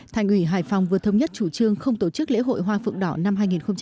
thành ủy hải phòng vừa thống nhất chủ trương không tổ chức lễ hội hoa phượng đỏ năm hai nghìn hai mươi